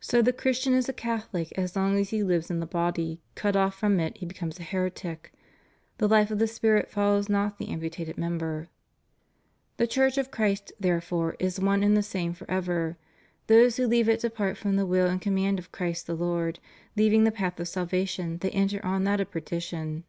So the Christian is a Cathohc as long as he lives in the body: cut off from it he becomes a heretic — the life of the spirit follows not the amputated member."* The Church of Christ, therefore, is one and the same forever; those who leave it depart from the will and com mand of Christ the Lord — leaving the path of salvation they enter on that of perdition.